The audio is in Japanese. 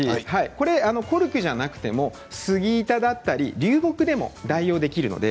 これ、コルクじゃなくても杉板だったり流木でも代用できるので。